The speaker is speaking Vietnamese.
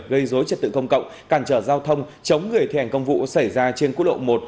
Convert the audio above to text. gây dối trật tự công cộng cản trở giao thông chống người thi hành công vụ xảy ra trên quốc lộ một